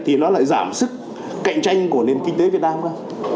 thì nó lại giảm sức cạnh tranh của nền kinh tế việt nam thôi